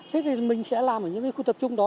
thế thì mình sẽ làm ở những cái khu tập trung đó